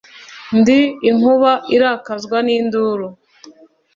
Ndi inkuba irakazwa n’induru.